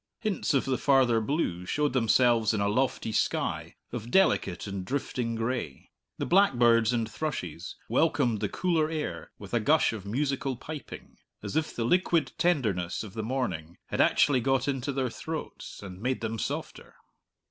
Hints of the farther blue showed themselves in a lofty sky of delicate and drifting gray. The blackbirds and thrushes welcomed the cooler air with a gush of musical piping, as if the liquid tenderness of the morning had actually got into their throats and made them softer.